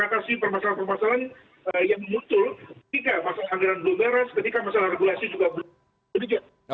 ketika masalah regulasi juga belum beres